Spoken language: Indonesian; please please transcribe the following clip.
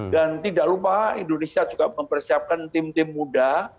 dan tidak lupa indonesia juga mempersiapkan tim tim muda